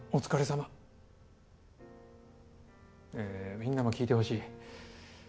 みんなも聞いてほしい。